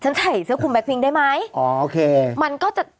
ใส่เสื้อคุมแก๊พิงได้ไหมอ๋อโอเคมันก็จะ